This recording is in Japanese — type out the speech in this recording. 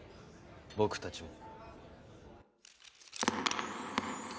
僕たちも。